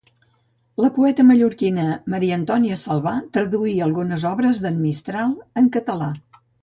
La poeta mallorquina Maria Antònia Salvà traduí algunes obres d'en Mistral en català.